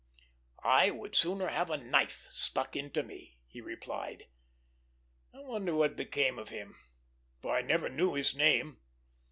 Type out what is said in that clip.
"I would sooner have a knife stuck into me," he replied. I wonder what became of him, for I never knew his name.